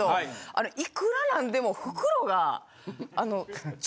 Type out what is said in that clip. あれいくらなんでも。